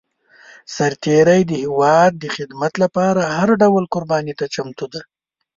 سرتېری د هېواد د خدمت لپاره هر ډول قرباني ته چمتو دی.